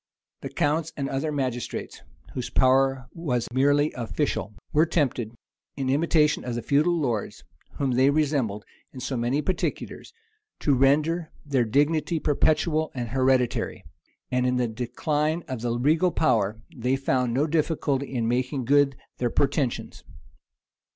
The counts and other magistrates, whose power was merely official, were tempted, in imitation of the feudal lords, whom they resembled in so many particulars, to render their dignity perpetual and hereditary; and in the decline of the regal power, they found no difficulty in making good their pretentions.